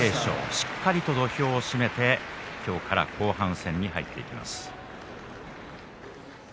しっかり土俵を締めて今日から後半戦に入っていきます。